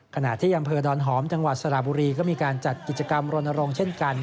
ขณะที่อำเภอดอนหอมจังหวัดสระบุรีก็มีการจัดกิจกรรมรณรงค์เช่นกัน